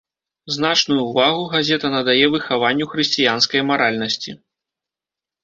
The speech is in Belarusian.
Значную ўвагу газета надае выхаванню хрысціянскай маральнасці.